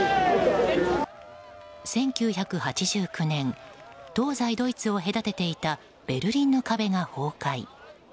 １９８９年東西ドイツを隔てていたベルリンの壁が崩壊。